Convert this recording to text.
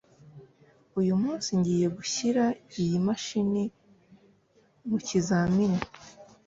uyu munsi, ngiye gushyira iyi mashini mu kizamini.